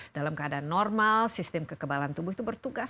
dalam keadaan normal sistem kekebalan tubuh itu bertugas